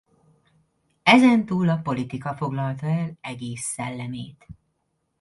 Ezentúl a politika foglalta el egész szellemét.